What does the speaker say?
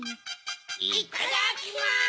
いただきます！